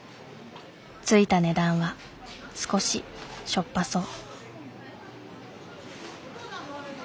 ついた値段は少ししょっぱそう。